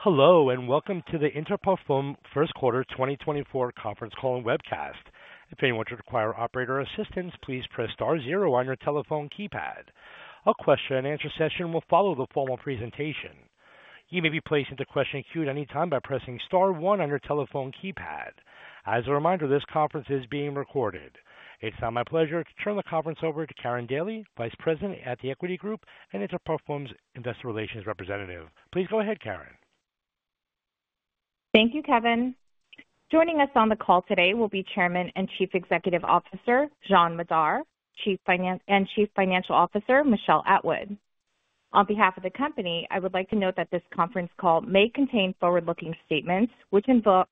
Hello and welcome to the Inter Parfums first quarter 2024 conference call and webcast. If anyone should require operator assistance, please press star zero on your telephone keypad. A question and answer session will follow the formal presentation. You may be placed into question queue at any time by pressing star one on your telephone keypad. As a reminder, this conference is being recorded. It's now my pleasure to turn the conference over to Karin Daly, Vice President at The Equity Group and Inter Parfums Investor Relations Representative. Please go ahead, Karin. Thank you, Kevin. Joining us on the call today will be Chairman and Chief Executive Officer Jean Madar, Chief Finance and Chief Financial Officer Michel Atwood. On behalf of the company, I would like to note that this conference call may contain forward-looking statements which involve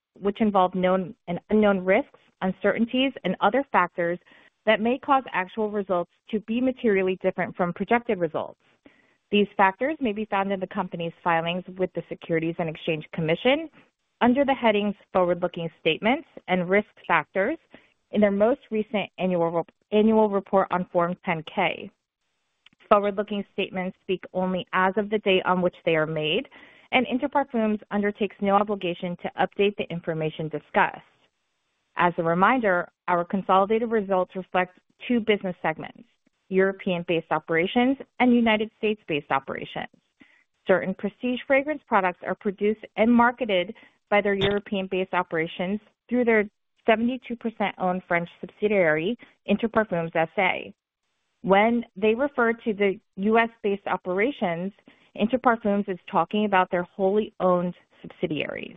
known and unknown risks, uncertainties, and other factors that may cause actual results to be materially different from projected results. These factors may be found in the company's filings with the Securities and Exchange Commission under the headings Forward-Looking Statements and Risk Factors in their most recent annual report on Form 10-K. Forward-looking statements speak only as of the date on which they are made, and Inter Parfums undertakes no obligation to update the information discussed. As a reminder, our consolidated results reflect two business segments: European-based operations and United States-based operations. Certain prestige fragrance products are produced and marketed by their European-based operations through their 72% owned French subsidiary, Inter Parfums SA. When they refer to the U.S.-based operations, Inter Parfums is talking about their wholly owned subsidiaries.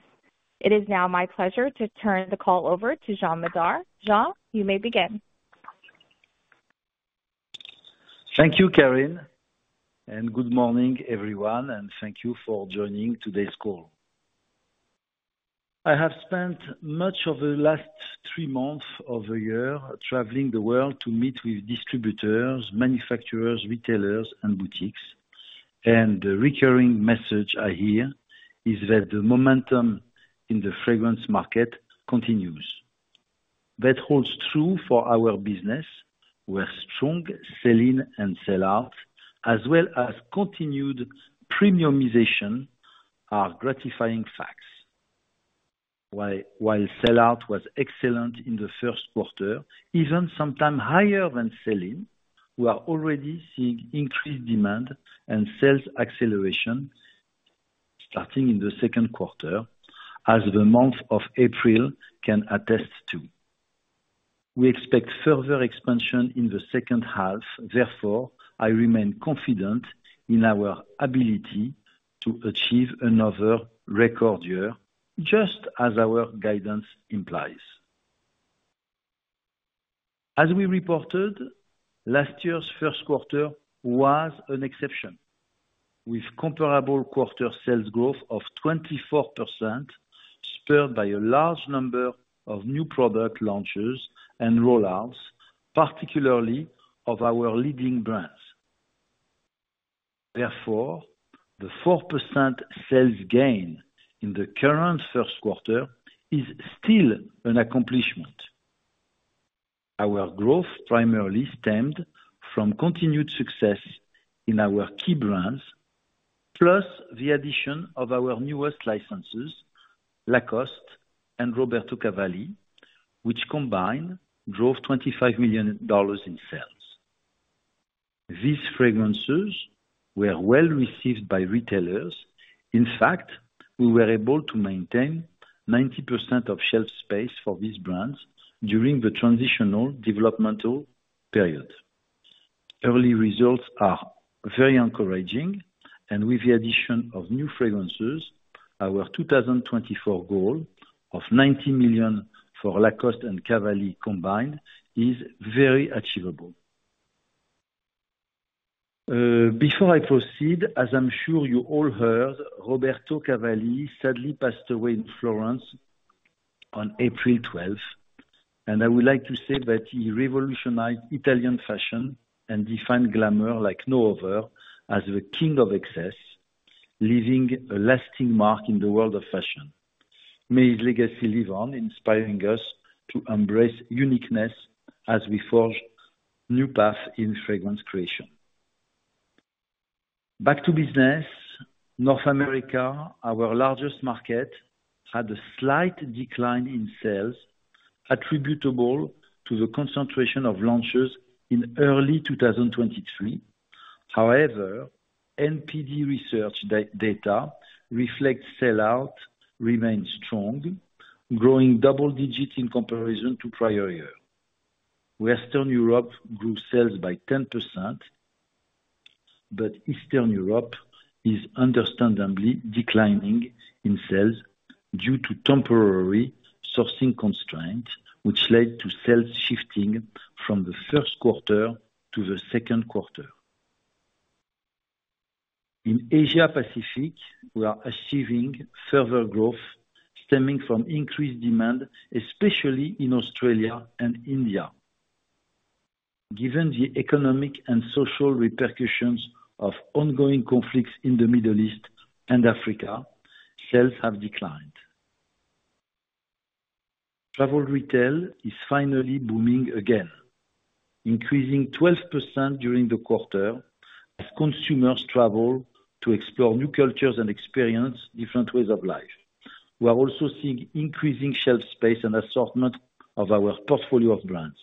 It is now my pleasure to turn the call over to Jean Madar. Jean, you may begin. Thank you, Karin. Good morning, everyone, and thank you for joining today's call. I have spent much of the last three months of the year traveling the world to meet with distributors, manufacturers, retailers, and boutiques, and the recurring message I hear is that the momentum in the fragrance market continues. That holds true for our business, where strong sell-in and sell-out, as well as continued premiumization, are gratifying facts. While sell-out was excellent in the first quarter, even sometimes higher than sell-in, we are already seeing increased demand and sales acceleration starting in the second quarter, as the month of April can attest to. We expect further expansion in the second half. Therefore, I remain confident in our ability to achieve another record year, just as our guidance implies. As we reported, last year's first quarter was an exception, with comparable quarter sales growth of 24% spurred by a large number of new product launches and rollouts, particularly of our leading brands. Therefore, the 4% sales gain in the current first quarter is still an accomplishment. Our growth primarily stemmed from continued success in our key brands, plus the addition of our newest licenses, Lacoste and Roberto Cavalli, which combined drove $25 million in sales. These fragrances were well received by retailers, in fact, we were able to maintain 90% of shelf space for these brands during the transitional developmental period. Early results are very encouraging, and with the addition of new fragrances, our 2024 goal of $90 million for Lacoste and Cavalli combined is very achievable. Before I proceed, as I'm sure you all heard, Roberto Cavalli sadly passed away in Florence on April 12th, and I would like to say that he revolutionized Italian fashion and defined glamour like no other as the king of excess, leaving a lasting mark in the world of fashion. May his legacy live on, inspiring us to embrace uniqueness as we forge new paths in fragrance creation. Back to business, North America, our largest market, had a slight decline in sales, attributable to the concentration of launches in early 2023. However, NPD research data reflects sell-out remained strong, growing double digits in comparison to prior year. Western Europe grew sales by 10%, but Eastern Europe is understandably declining in sales due to temporary sourcing constraints, which led to sales shifting from the first quarter to the second quarter. In Asia-Pacific, we are achieving further growth stemming from increased demand, especially in Australia and India. Given the economic and social repercussions of ongoing conflicts in the Middle East and Africa, sales have declined. Travel retail is finally booming again, increasing 12% during the quarter as consumers travel to explore new cultures and experience different ways of life. We are also seeing increasing shelf space and assortment of our portfolio of brands.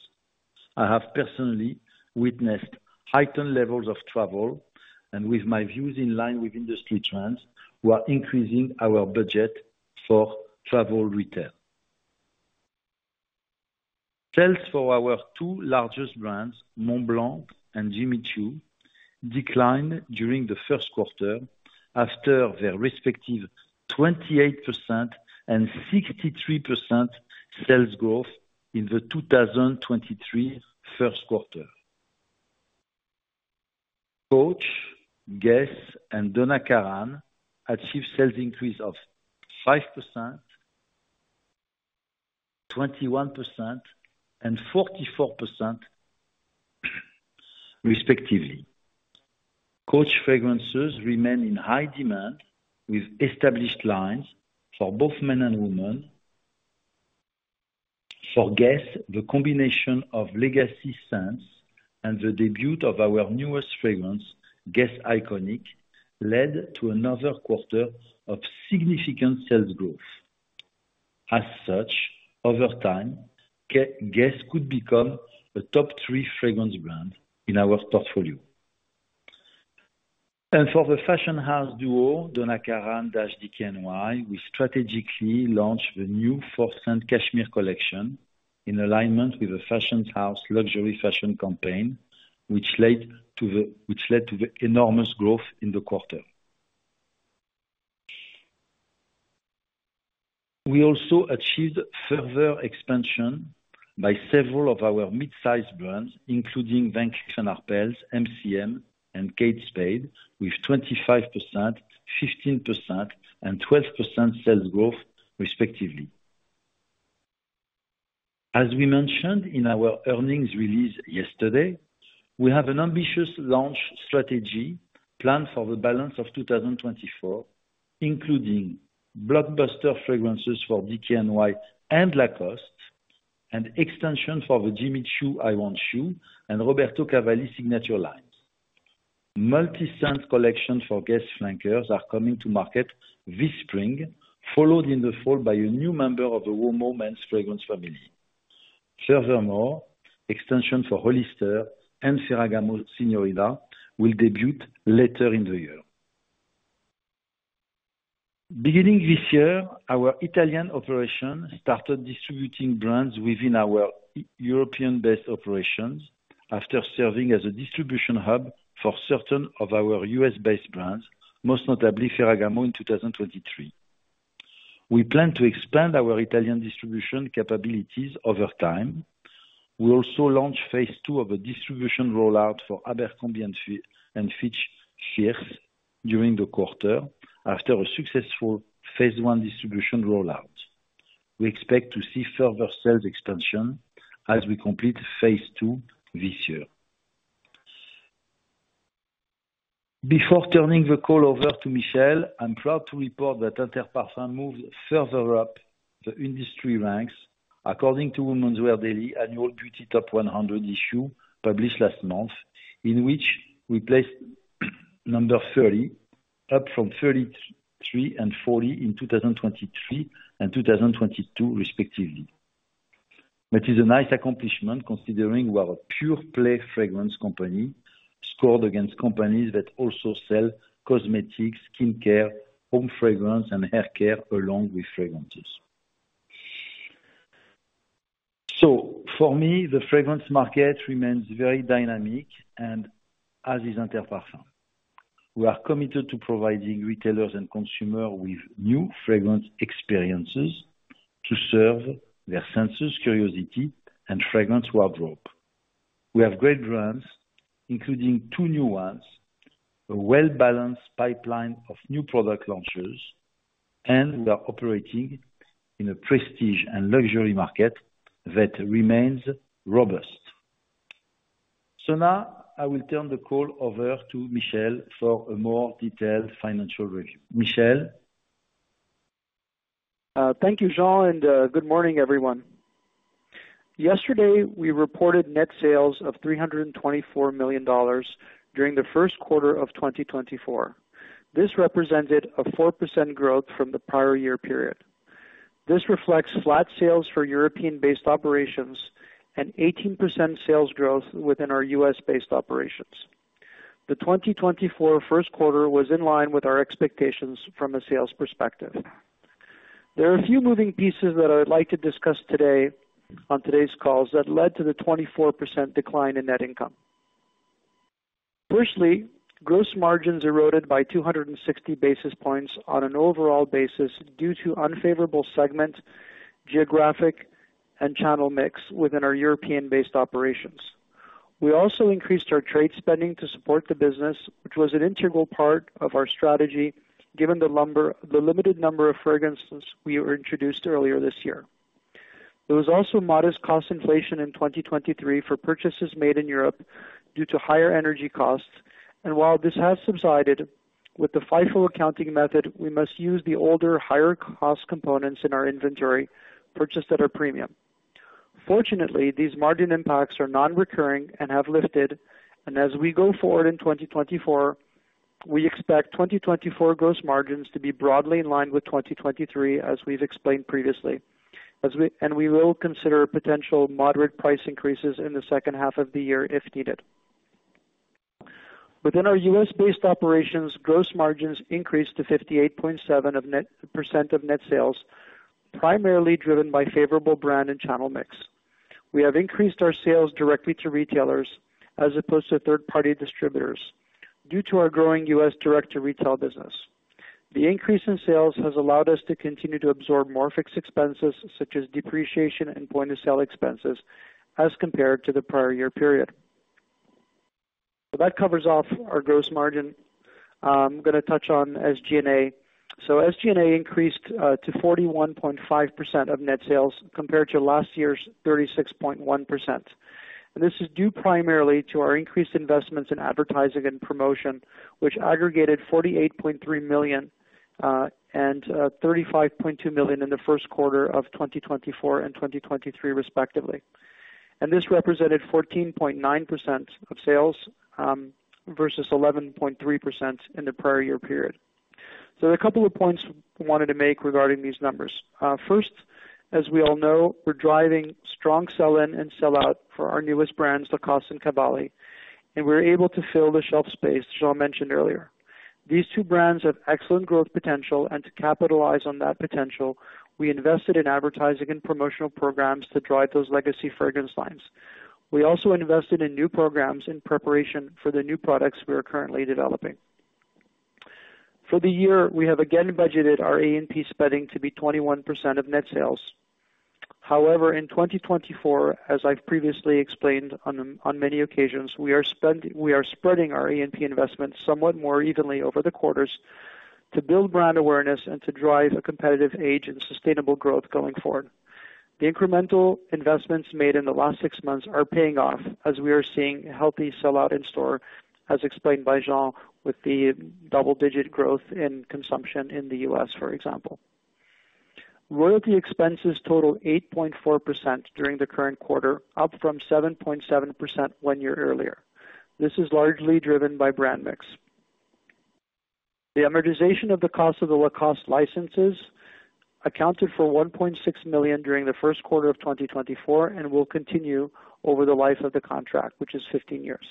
I have personally witnessed heightened levels of travel, and with my views in line with industry trends, we are increasing our budget for travel retail. Sales for our two largest brands, Montblanc and Jimmy Choo, declined during the first quarter after their respective 28% and 63% sales growth in the 2023 first quarter. Coach, Guess, and Donna Karan achieved sales increase of 5%, 21%, and 44%, respectively. Coach fragrances remain in high demand with established lines for both men and women. For Guess, the combination of legacy scents and the debut of our newest fragrance, Guess Iconic, led to another quarter of significant sales growth. As such, over time, Guess could become a top three fragrance brand in our portfolio. For the fashion house duo, Donna Karan-DKNY, we strategically launched the new four scents Cashmere Collection in alignment with the fashion house luxury fashion campaign, which led to the enormous growth in the quarter. We also achieved further expansion by several of our midsize brands, including Van Cleef & Arpels, MCM, and Kate Spade, with 25%, 15%, and 12% sales growth, respectively. As we mentioned in our earnings release yesterday, we have an ambitious launch strategy planned for the balance of 2024, including blockbuster fragrances for DKNY and Lacoste, and extension for the Jimmy Choo I Want Choo and Roberto Cavalli Signature lines. Multi-scents collection for Guess flankers are coming to market this spring, followed in the fall by a new member of the Uomo men's fragrance family. Furthermore, extension for Hollister and Ferragamo Signorina will debut later in the year. Beginning this year, our Italian operation started distributing brands within our European-based operations after serving as a distribution hub for certain of our U.S.-based brands, most notably Ferragamo in 2023. We plan to expand our Italian distribution capabilities over time. We also launch phase two of a distribution rollout for Abercrombie & Fitch Fierce during the quarter after a successful phase one distribution rollout. We expect to see further sales expansion as we complete phase 2 this year. Before turning the call over to Michel, I'm proud to report that Inter Parfums moved further up the industry ranks, according to Women's Wear Daily annual Beauty Top 100 issue published last month, in which we placed number 30, up from 33 and 40 in 2023 and 2022, respectively. That is a nice accomplishment considering we are a pure-play fragrance company scored against companies that also sell cosmetics, skin care, home fragrance, and hair care along with fragrances. So for me, the fragrance market remains very dynamic, and as is Inter Parfums. We are committed to providing retailers and consumers with new fragrance experiences to serve their senses, curiosity, and fragrance wardrobe. We have great brands, including two new ones, a well-balanced pipeline of new product launchers, and we are operating in a prestige and luxury market that remains robust. So now I will turn the call over to Michel for a more detailed financial review. Michel? Thank you, Jean, and good morning, everyone. Yesterday, we reported net sales of $324 million during the first quarter of 2024. This represented a 4% growth from the prior year period. This reflects flat sales for European-based operations and 18% sales growth within our U.S.-based operations. The 2024 first quarter was in line with our expectations from a sales perspective. There are a few moving pieces that I would like to discuss today on today's calls that led to the 24% decline in net income. Firstly, gross margins eroded by 260 basis points on an overall basis due to unfavorable segment, geographic, and channel mix within our European-based operations. We also increased our trade spending to support the business, which was an integral part of our strategy given the limited number of fragrances we introduced earlier this year. There was also modest cost inflation in 2023 for purchases made in Europe due to higher energy costs, and while this has subsided, with the FIFO accounting method, we must use the older, higher-cost components in our inventory purchased at a premium. Fortunately, these margin impacts are non-recurring and have lifted, and as we go forward in 2024, we expect 2024 gross margins to be broadly in line with 2023, as we've explained previously, and we will consider potential moderate price increases in the second half of the year if needed. Within our U.S.-based operations, gross margins increased to 58.7% of net sales, primarily driven by favorable brand and channel mix. We have increased our sales directly to retailers as opposed to third-party distributors due to our growing U.S. direct-to-retail business. The increase in sales has allowed us to continue to absorb amortization expenses such as depreciation and point-of-sale expenses as compared to the prior year period. So that covers off our gross margin. I'm gonna touch on SG&A. So SG&A increased to 41.5% of net sales compared to last year's 36.1%. And this is due primarily to our increased investments in advertising and promotion, which aggregated $48.3 million and $35.2 million in the first quarter of 2024 and 2023, respectively. And this represented 14.9% of sales versus 11.3% in the prior year period. So there are a couple of points wanted to make regarding these numbers. First, as we all know, we're driving strong sell-in and sell-out for our newest brands, Lacoste and Cavalli, and we're able to fill the shelf space Jean mentioned earlier. These two brands have excellent growth potential, and to capitalize on that potential, we invested in advertising and promotional programs to drive those legacy fragrance lines. We also invested in new programs in preparation for the new products we are currently developing. For the year, we have again budgeted our A&P spending to be 21% of net sales. However, in 2024, as I've previously explained on many occasions, we are spreading our A&P investments somewhat more evenly over the quarters to build brand awareness and to drive a competitive edge and sustainable growth going forward. The incremental investments made in the last six months are paying off as we are seeing healthy sell-out in store, as explained by Jean with the double-digit growth in consumption in the U.S., for example. Royalty expenses totaled 8.4% during the current quarter, up from 7.7% one year earlier. This is largely driven by brand mix. The amortization of the cost of the Lacoste licenses accounted for $1.6 million during the first quarter of 2024 and will continue over the life of the contract, which is 15 years.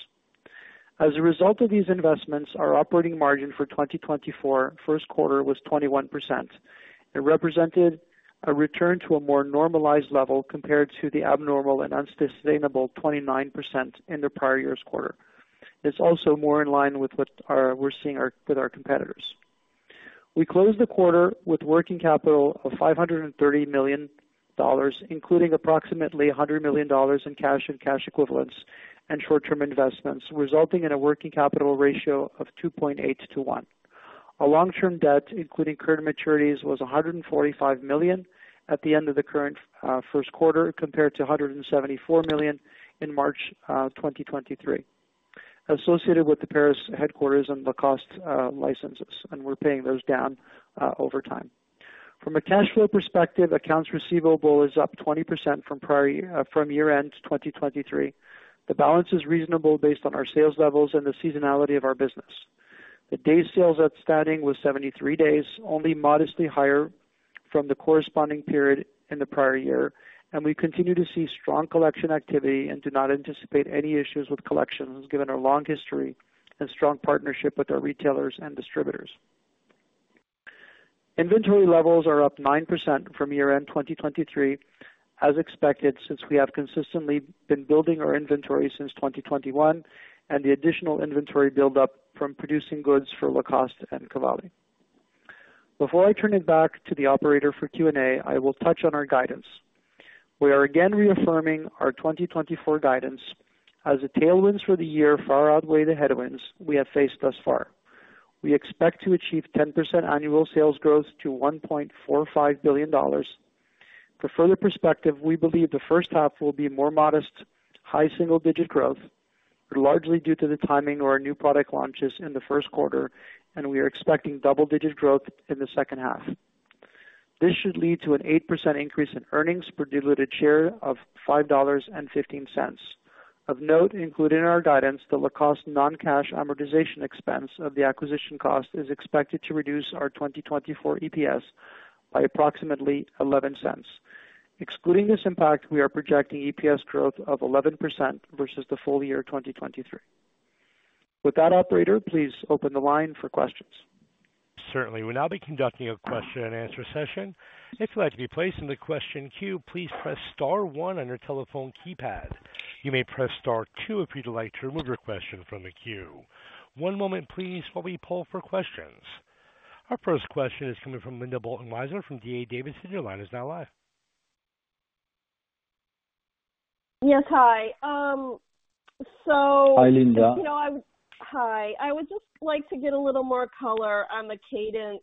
As a result of these investments, our operating margin for 2024 first quarter was 21%. It represented a return to a more normalized level compared to the abnormal and unsustainable 29% in the prior year's quarter. It's also more in line with what we're seeing with our competitors. We closed the quarter with working capital of $530 million, including approximately $100 million in cash and cash equivalents and short-term investments, resulting in a working capital ratio of 2.8 to 1. Our long-term debt, including current maturities, was $145 million at the end of the current first quarter compared to $174 million in March 2023, associated with the Paris headquarters and Lacoste licenses, and we're paying those down over time. From a cash flow perspective, accounts receivable is up 20% from prior year from year-end 2023. The balance is reasonable based on our sales levels and the seasonality of our business. The days sales outstanding was 73 days, only modestly higher from the corresponding period in the prior year, and we continue to see strong collection activity and do not anticipate any issues with collections given our long history and strong partnership with our retailers and distributors. Inventory levels are up 9% from year-end 2023, as expected since we have consistently been building our inventory since 2021 and the additional inventory buildup from producing goods for Lacoste and Cavalli. Before I turn it back to the operator for Q&A, I will touch on our guidance. We are again reaffirming our 2024 guidance as the tailwinds for the year far outweigh the headwinds we have faced thus far. We expect to achieve 10% annual sales growth to $1.45 billion. For further perspective, we believe the first half will be more modest, high single-digit growth, largely due to the timing of our new product launches in the first quarter, and we are expecting double-digit growth in the second half. This should lead to an 8% increase in earnings per diluted share of $5.15. Of note, included in our guidance, the Lacoste non-cash amortization expense of the acquisition cost is expected to reduce our 2024 EPS by approximately $0.11. Excluding this impact, we are projecting EPS growth of 11% versus the full year 2023. With that, operator, please open the line for questions. Certainly. We'll now be conducting a question-and-answer session. If you'd like to be placed in the question queue, please press star one on your telephone keypad. You may press star two if you'd like to remove your question from the queue. One moment, please, while we pull for questions. Our first question is coming from Linda Bolton Weiser from D.A. Davidson. Your line is now live. Yes, hi. Hi, Linda. You know, I would just like to get a little more color on the cadence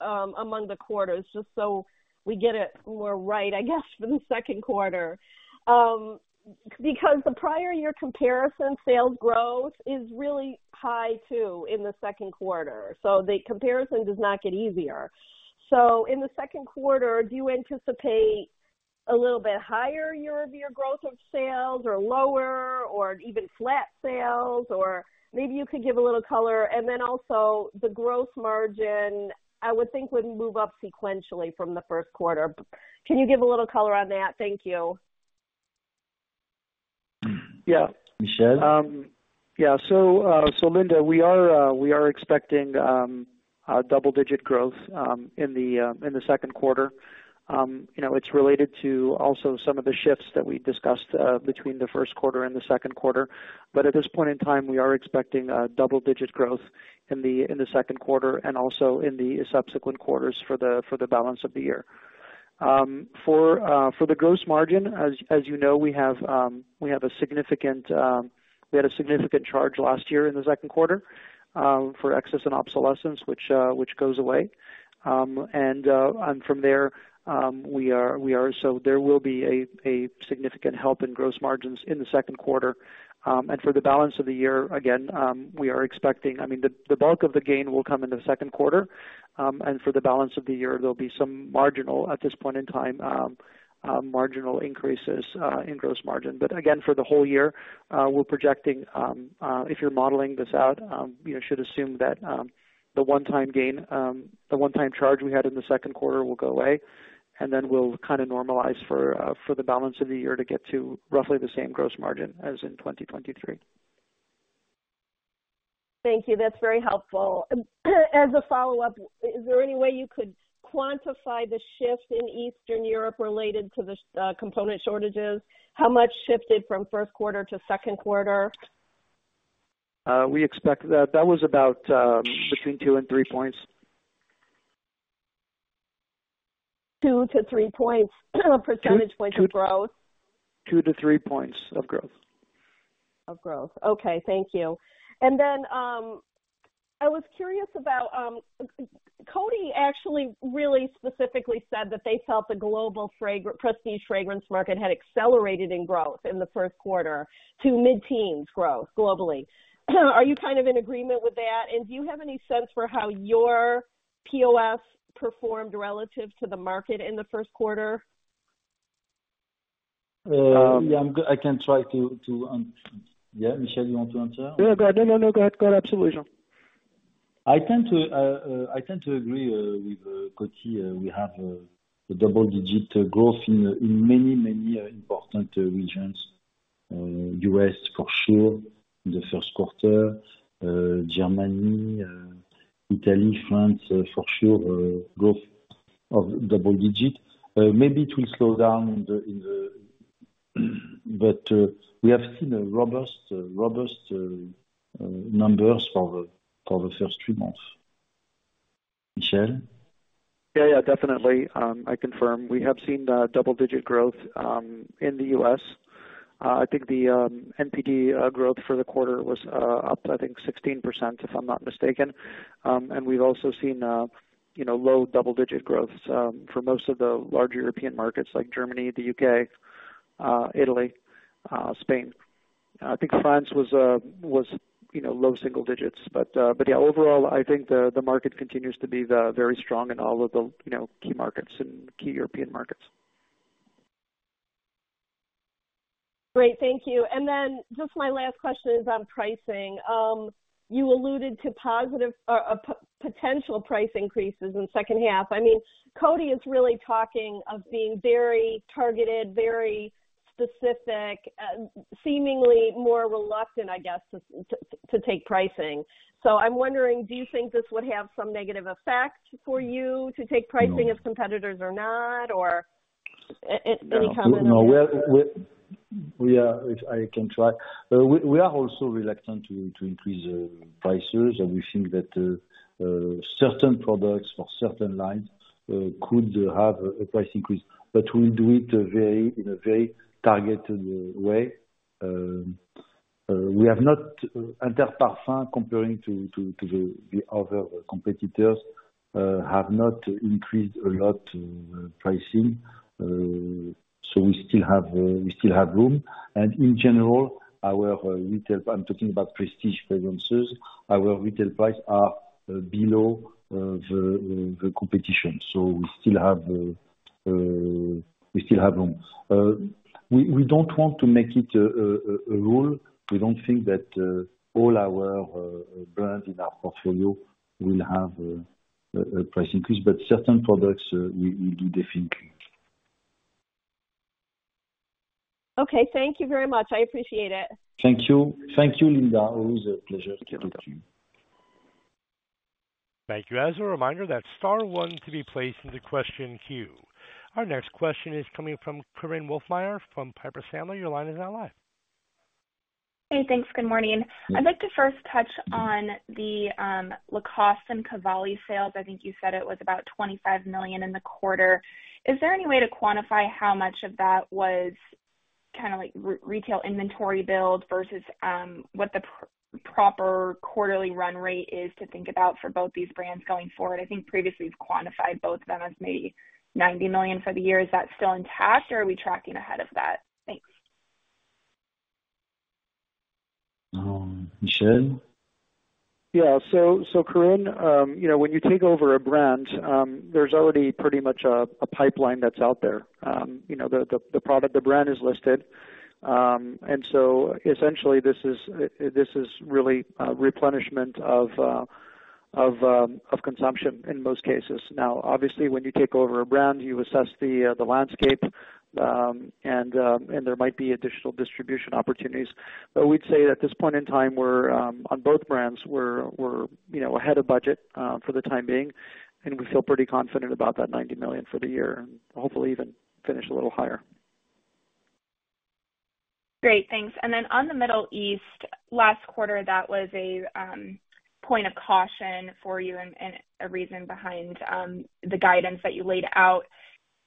among the quarters just so we get it more right, I guess, for the second quarter. Because the prior year comparison sales growth is really high too in the second quarter, so the comparison does not get easier. So in the second quarter, do you anticipate a little bit higher year-over-year growth of sales or lower or even flat sales, or maybe you could give a little color? And then also, the gross margin, I would think, would move up sequentially from the first quarter. Can you give a little color on that? Thank you. Yeah. Michel? Yeah. So, Linda, we are expecting double-digit growth in the second quarter. You know, it's related to also some of the shifts that we discussed between the first quarter and the second quarter. But at this point in time, we are expecting double-digit growth in the second quarter and also in the subsequent quarters for the balance of the year. For the gross margin, as you know, we had a significant charge last year in the second quarter for excess and obsolescence, which goes away. And from there, we are so there will be a significant help in gross margins in the second quarter. For the balance of the year, again, we are expecting. I mean, the bulk of the gain will come in the second quarter. For the balance of the year, there'll be some marginal at this point in time, marginal increases in gross margin. But again, for the whole year, we're projecting, if you're modeling this out, you know, should assume that the one-time gain, the one-time charge we had in the second quarter will go away, and then we'll kinda normalize for the balance of the year to get to roughly the same gross margin as in 2023. Thank you. That's very helpful. As a follow-up, is there any way you could quantify the shift in Eastern Europe related to the component shortages? How much shifted from first quarter to second quarter? We expect that that was about, between 2 and 3 points. 2-3 percentage points of growth? 2-3 points of growth. Of growth. Okay. Thank you. And then, I was curious about, Coty actually really specifically said that they felt the global fragrance prestige fragrance market had accelerated in growth in the first quarter to mid-teens growth globally. Are you kind of in agreement with that? And do you have any sense for how your POS performed relative to the market in the first quarter? Yeah, I can try to... yeah, Michel, you want to answer? Yeah, go ahead. No, no, no. Go ahead. Go ahead. Absolutely, Jean. I tend to agree with Coty. We have double-digit growth in many important regions. U.S., for sure, in the first quarter. Germany, Italy, France, for sure, growth of double-digit. Maybe it will slow down, but we have seen robust numbers for the first three months. Michel? Yeah, yeah. Definitely. I confirm. We have seen double-digit growth in the U.S. I think the NPD growth for the quarter was up, I think, 16% if I'm not mistaken. We've also seen, you know, low double-digit growths for most of the large European markets like Germany, the U.K., Italy, Spain. I think France was, you know, low single digits. But yeah, overall, I think the market continues to be very strong in all of the, you know, key markets and key European markets. Great. Thank you. And then just my last question is on pricing. You alluded to positive or potential price increases in second half. I mean, Coty is really talking of being very targeted, very specific, seemingly more reluctant, I guess, to take pricing. So I'm wondering, do you think this would have some negative effect for you to take pricing of competitors or not, or any comment on that? No. We're we are also reluctant to increase prices, and we think that certain products for certain lines could have a price increase. But we'll do it in a very targeted way. We have not, Inter Parfums, comparing to the other competitors, have not increased pricing a lot. So we still have room. And in general, our retail—I'm talking about prestige fragrances. Our retail prices are below the competition. So we still have room. We don't want to make it a rule. We don't think that all our brands in our portfolio will have a price increase. But certain products, we do definitely. Okay. Thank you very much. I appreciate it. Thank you. Thank you, Linda. Always a pleasure to talk to you. Thank you. As a reminder, that's star one to be placed in the question queue. Our next question is coming from Korinne Wolfmeyer from Piper Sandler. Your line is now live. Hey. Thanks. Good morning. I'd like to first touch on the Lacoste and Cavalli sales. I think you said it was about $25 million in the quarter. Is there any way to quantify how much of that was kind of, like, retail inventory build versus what the proper quarterly run rate is to think about for both these brands going forward? I think previously, you've quantified both of them as maybe $90 million for the year. Is that still intact, or are we tracking ahead of that? Thanks. Michel? Yeah. So, Korinne, you know, when you take over a brand, there's already pretty much a pipeline that's out there. You know, the product the brand is listed. And so essentially, this is really replenishment of consumption in most cases. Now, obviously, when you take over a brand, you assess the landscape, and there might be additional distribution opportunities. But we'd say at this point in time, we're on both brands, we're you know ahead of budget, for the time being. And we feel pretty confident about that $90 million for the year and hopefully even finish a little higher. Great. Thanks. And then on the Middle East, last quarter, that was a point of caution for you and a reason behind the guidance that you laid out.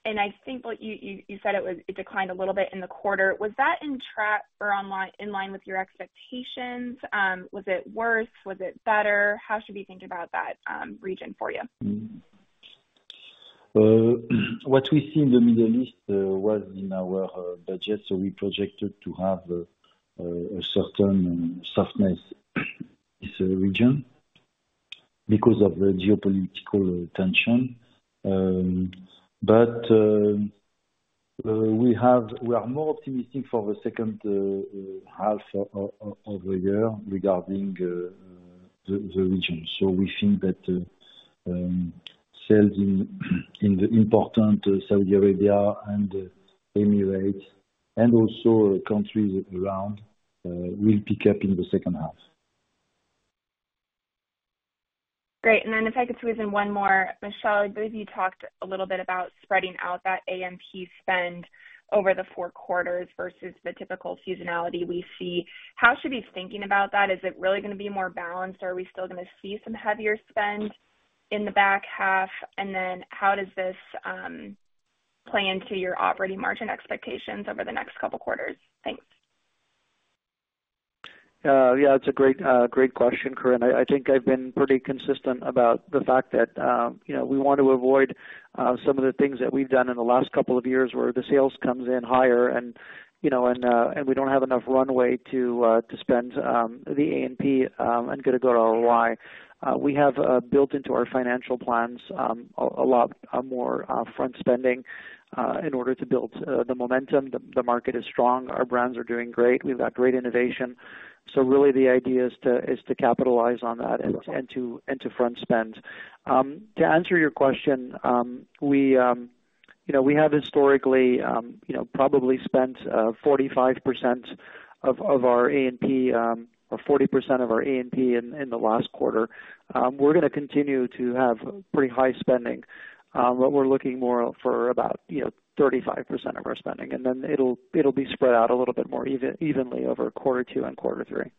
And I think what you said was it declined a little bit in the quarter. Was that in line with your expectations? Was it worse? Was it better? How should we think about that region for you? What we see in the Middle East was in our budget. So we projected to have a certain softness in this region because of the geopolitical tension. But we are more optimistic for the second half of the year regarding the region. So we think that sales in the important Saudi Arabia and the Emirates and also countries around will pick up in the second half. Great. And then if I could squeeze in one more, Michel, I believe you talked a little bit about spreading out that A&P spend over the four quarters versus the typical seasonality we see. How should we be thinking about that? Is it really gonna be more balanced, or are we still gonna see some heavier spend in the back half? And then how does this play into your operating margin expectations over the next couple quarters? Thanks. Yeah. It's a great, great question, Korinne. I, I think I've been pretty consistent about the fact that, you know, we wanna avoid some of the things that we've done in the last couple of years where the sales comes in higher and, you know, and, and we don't have enough runway to, to spend the A&P, and gonna go to ROI. We have built into our financial plans a, a lot more front spending in order to build the momentum. The, the market is strong. Our brands are doing great. We've got great innovation. So really, the idea is to is to capitalize on that and, and to and to front spend. To answer your question, we, you know, we have historically, you know, probably spent 45% of, of our A&P, or 40% of our A&P in, in the last quarter. We're gonna continue to have pretty high spending, but we're looking more for about, you know, 35% of our spending. And then it'll be spread out a little bit more evenly over quarter two and quarter three.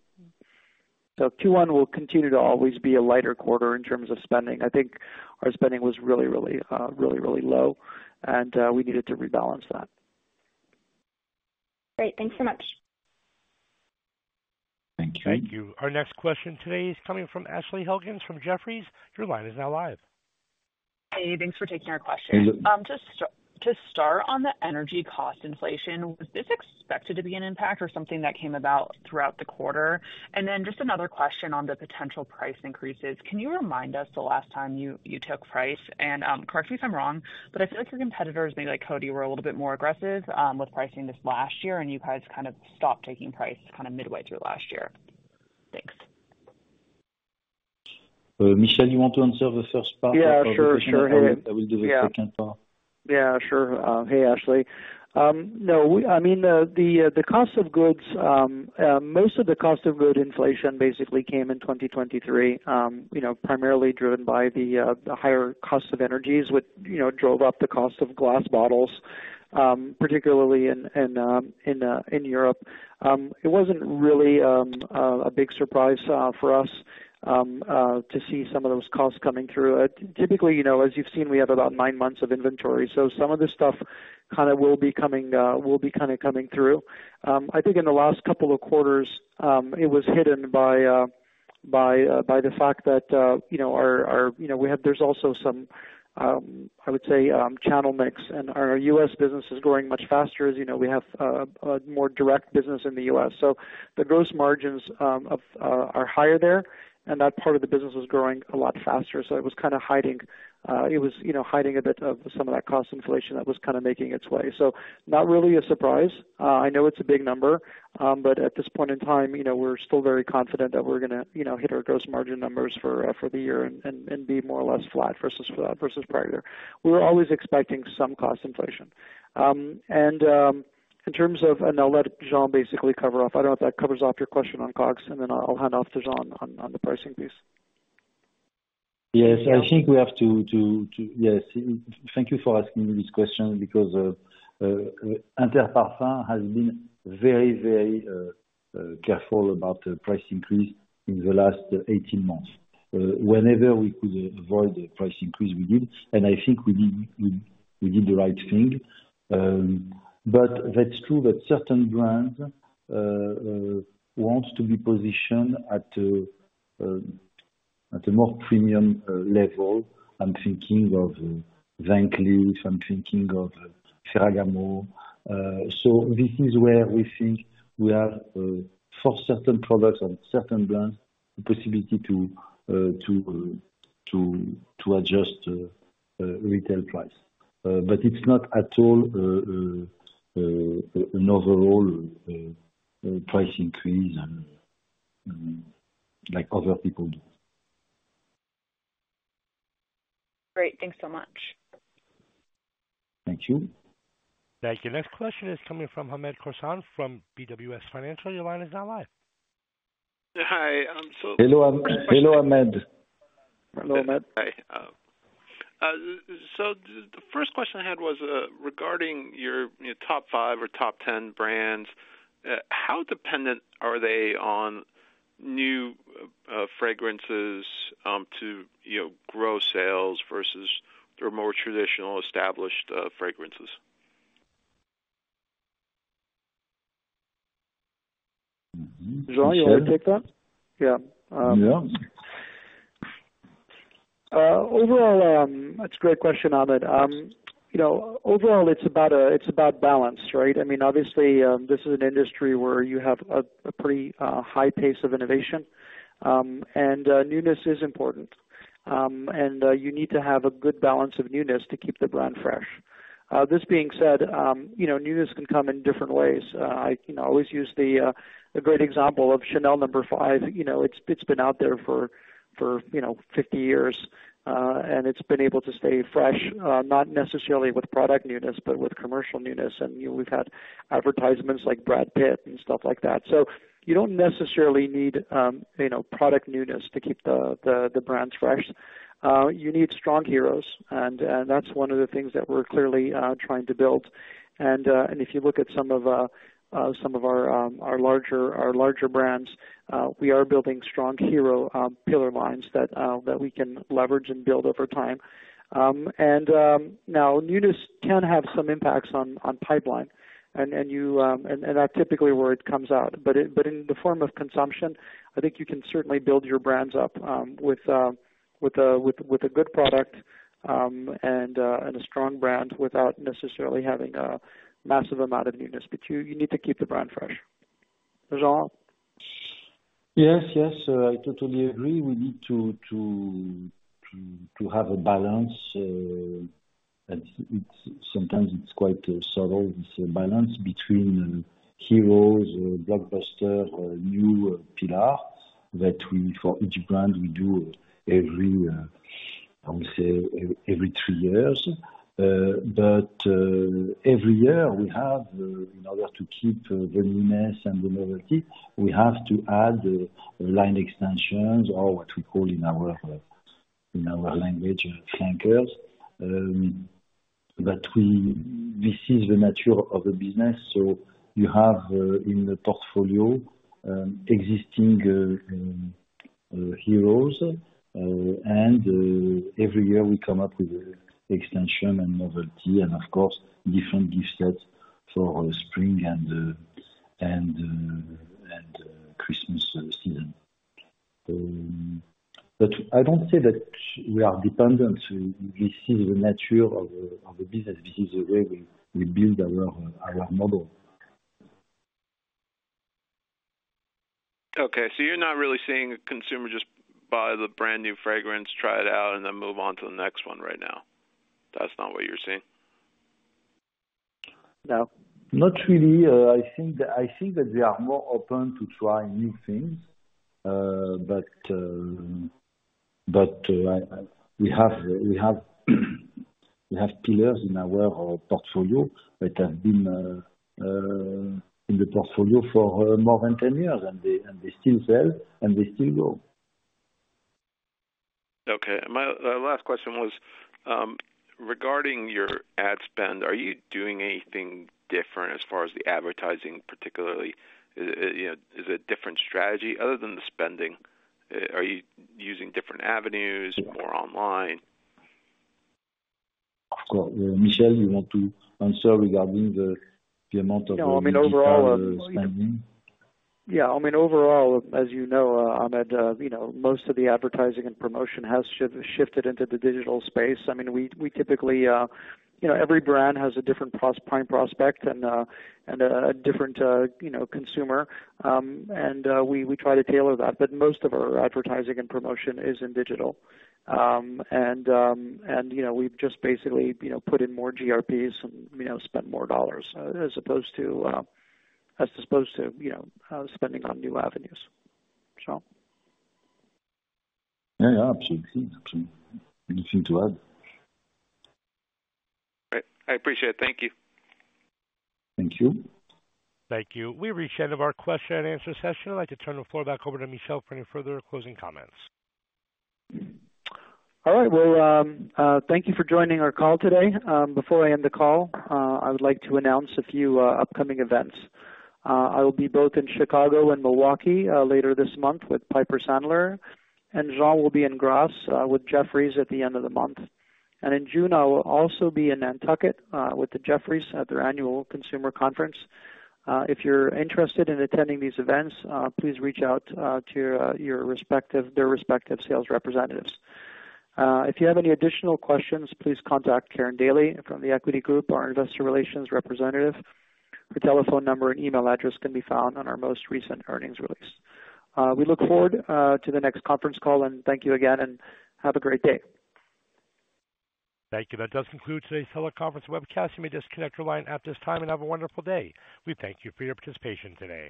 So Q1 will continue to always be a lighter quarter in terms of spending. I think our spending was really, really, really, really low, and we needed to rebalance that. Great. Thanks so much. Thank you. Thank you. Our next question today is coming from Ashley Helgans from Jefferies. Your line is now live. Hey. Thanks for taking our question. Hey, Ashley. Just to start on the energy cost inflation, was this expected to be an impact or something that came about throughout the quarter? And then just another question on the potential price increases. Can you remind us the last time you took price? And, correct me if I'm wrong, but I feel like your competitors, maybe like Coty, were a little bit more aggressive with pricing this last year, and you guys kind of stopped taking price kinda midway through last year. Thanks. Michel, you want to answer the first part or first half? Yeah. Sure. Sure. Hey. I will do the second part. Yeah. Sure. Hey, Ashley. No. I mean, the cost of goods, most of the cost of goods inflation basically came in 2023, you know, primarily driven by the higher cost of energies, which, you know, drove up the cost of glass bottles, particularly in Europe. It wasn't really a big surprise for us to see some of those costs coming through. Typically, you know, as you've seen, we have about nine months of inventory. So some of this stuff kinda will be coming, will be kinda coming through. I think in the last couple of quarters, it was hidden by the fact that, you know, our, you know, we have there's also some, I would say, channel mix. And our U.S. business is growing much faster, as you know. We have a more direct business in the U.S. So the gross margins are higher there, and that part of the business is growing a lot faster. So it was kinda hiding, you know, a bit of some of that cost inflation that was kinda making its way. So not really a surprise. I know it's a big number, but at this point in time, you know, we're still very confident that we're gonna, you know, hit our gross margin numbers for the year and be more or less flat versus prior year there. We were always expecting some cost inflation. And in terms of, I'll let Jean basically cover off. I don't know if that covers off your question on COGS, and then I'll hand off to Jean on the pricing piece. Yes. I think we have to. Thank you for asking me this question because Inter Parfums has been very, very careful about the price increase in the last 18 months. Whenever we could avoid the price increase, we did. And I think we did the right thing. But that's true that certain brands want to be positioned at a more premium level. I'm thinking of Van Cleef. I'm thinking of Ferragamo. So this is where we think we have, for certain products and certain brands, the possibility to adjust retail price. But it's not at all an overall price increase, like other people do. Great. Thanks so much. Thank you. Thank you. Next question is coming from Hamed Khorsand from BWS Financial. Your line is now live. Hi. I'm so. Hello, Hamed. Hello, Hamed. Hello, Hamed. Hi. The first question I had was, regarding your top 5 or top 10 brands, how dependent are they on new fragrances to, you know, grow sales versus their more traditional established fragrances? Mm-hmm. Michel, you wanna take that? Yeah. Yeah. Overall, that's a great question, Hamed. You know, overall, it's about balance, right? I mean, obviously, this is an industry where you have a pretty high pace of innovation. Newness is important. You need to have a good balance of newness to keep the brand fresh. This being said, you know, newness can come in different ways. I always use a great example of Chanel No. 5. You know, it's been out there for 50 years, and it's been able to stay fresh, not necessarily with product newness but with commercial newness. You know, we've had advertisements like Brad Pitt and stuff like that. You don't necessarily need product newness to keep the brands fresh. You need strong heroes. That's one of the things that we're clearly trying to build. And if you look at some of our larger brands, we are building strong hero pillar lines that we can leverage and build over time. Now, newness can have some impacts on pipeline. And that's typically where it comes out. But in the form of consumption, I think you can certainly build your brands up with a good product and a strong brand without necessarily having a massive amount of newness. But you need to keep the brand fresh. Is that all? Yes. Yes. I totally agree. We need to have a balance. It's sometimes quite subtle, this balance between heroes, blockbuster, new pillar that we for each brand do every, I would say, every three years. Every year, we have, in order to keep the newness and the novelty, we have to add line extensions or what we call in our language flankers. This is the nature of the business. So you have in the portfolio existing heroes. Every year, we come up with extension and novelty and, of course, different gift sets for spring and Christmas season. I don't say that we are dependent. This is the nature of the business. This is the way we build our model. Okay. So you're not really seeing a consumer just buy the brand new fragrance, try it out, and then move on to the next one right now? That's not what you're seeing? No. Not really. I think that we are more open to try new things. But we have pillars in our portfolio that have been in the portfolio for more than 10 years, and they still sell, and they still go. Okay. And my last question was, regarding your ad spend, are you doing anything different as far as the advertising, particularly? Is, you know, is it a different strategy? Other than the spending, are you using different avenues, more online? Of course. Michel, you want to answer regarding the payment of the spending? No. I mean, overall, yeah. I mean, overall, as you know, Hamed, you know, most of the advertising and promotion has shifted into the digital space. I mean, we typically, you know, every brand has a different prime prospect and a different, you know, consumer. And we try to tailor that. But most of our advertising and promotion is in digital. And, you know, we've just basically, you know, put in more GRPs and, you know, spent more dollars, as opposed to, you know, spending on new avenues, so. Yeah. Yeah. Absolutely. Absolutely. Anything to add? Great. I appreciate it. Thank you. Thank you. Thank you. We reached the end of our question-and-answer session. I'd like to turn the floor back over to Michel for any further closing comments. All right. Well, thank you for joining our call today. Before I end the call, I would like to announce a few upcoming events. I will be both in Chicago and Milwaukee, later this month with Piper Sandler. And Jean will be in Grasse, with Jefferies at the end of the month. And in June, I will also be in Nantucket, with the Jefferies at their annual consumer conference. If you're interested in attending these events, please reach out to your respective sales representatives. If you have any additional questions, please contact Karin Daly from The Equity Group, our investor relations representative. Her telephone number and email address can be found on our most recent earnings release. We look forward to the next conference call. And thank you again, and have a great day. Thank you. That does conclude today's teleconference webcast. You may disconnect your line at this time, and have a wonderful day. We thank you for your participation today.